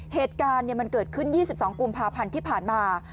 เหตุการณ์มันเกิดขึ้น๒๒กุมภาพันธ์ที่ผ่านมา